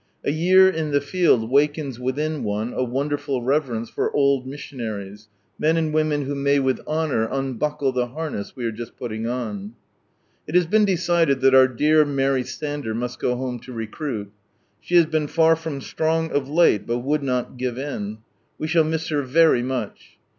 A year in the field wakens within one a wonderful reverence for " old missionaries, men and women who may with honour unbuckle the harness we are just putting on." ... It has been decided that our dear Mary Sander must go home to recruit. She has been far from strong of late, but would not give in. We shall miss her very much.